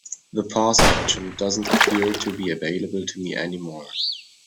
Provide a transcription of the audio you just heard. The pause option doesn't appear to be available to me anymore.